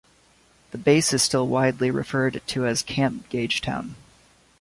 The base is still widely referred to as Camp Gagetown.